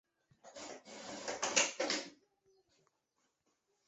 下位笼的腺体区可位于其内表面的下三分之一至三分之二。